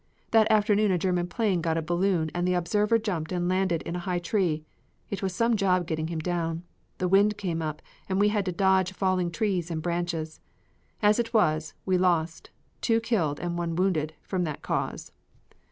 That afternoon a German plane got a balloon and the observer jumped and landed in a high tree. It was some job getting him down. The wind came up and we had to dodge falling trees and branches. As it was, we lost two killed and one wounded from that cause.